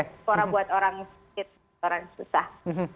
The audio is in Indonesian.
sekolah buat orang susah